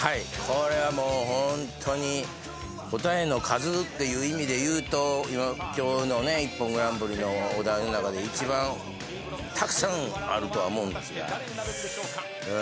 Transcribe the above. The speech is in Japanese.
これはもうホントに答えの数っていう意味でいうと今日の『ＩＰＰＯＮグランプリ』のお題の中で一番たくさんあるとは思うんですがうーん。